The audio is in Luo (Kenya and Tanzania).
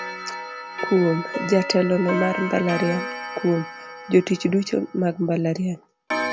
Kuom: Jatelono mar mbalariany Kuom: Jotich duto mag mbalariany.